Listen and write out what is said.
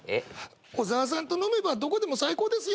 小沢さんと飲めばどこでも最高ですよ。